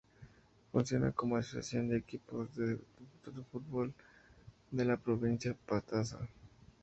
Funciona como asociación de equipos de fútbol dentro de la Provincia de Pastaza.